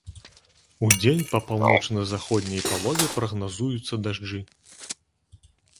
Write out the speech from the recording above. Удзень па паўночна-заходняй палове прагназуюцца дажджы.